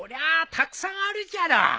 たくさんあるじゃろう。